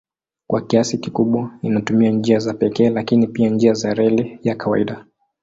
Kwa kiasi kikubwa inatumia njia za pekee lakini pia njia za reli ya kawaida.